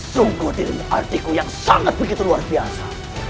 sungguh diri artiku yang sangat begitu luar biasa